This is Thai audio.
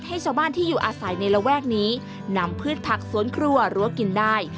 ให้ชาวบ้านที่อยู่อาศัยในระแวกนี้นำพืชผักสวนครัวรั้วกินได้